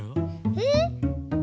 えっ？